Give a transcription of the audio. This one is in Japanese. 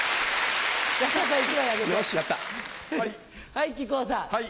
はい木久扇さん。